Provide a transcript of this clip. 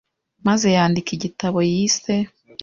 maze yandika igitabo yise